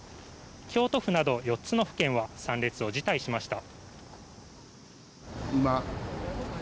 京都府など４つの府県は参列を辞退しました。